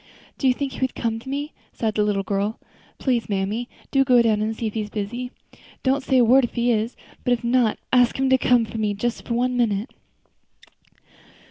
Do you think he would come to me?" sighed the little girl. "Please, mammy, go down and see if he is busy. Don't say a word if he is; but if not, ask him to come to me for just one minute."